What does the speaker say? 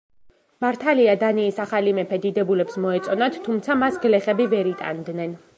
მართალია დანიის ახალი მეფე დიდებულებს მოეწონათ, თუმცა მას გლეხები ვერ იტანდნენ.